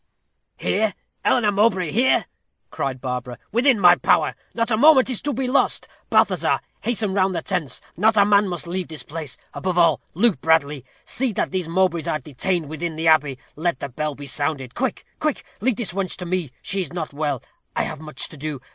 "Here! Eleanor Mowbray here," cried Barbara; "within my power. Not a moment is to be lost. Balthazar, hasten round the tents not a man must leave his place above all, Luke Bradley. See that these Mowbrays are detained within the abbey. Let the bell be sounded. Quick, quick; leave this wench to me; she is not well. I have much to do.